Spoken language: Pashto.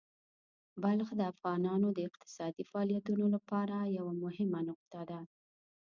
بلخ د افغانانو د اقتصادي فعالیتونو لپاره یوه مهمه نقطه ده.